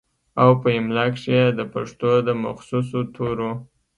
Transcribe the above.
او پۀ املا کښې ئې دَپښتو دَمخصوصو تورو